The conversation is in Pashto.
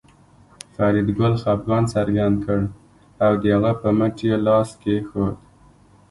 فریدګل خپګان څرګند کړ او د هغه په مټ یې لاس کېښود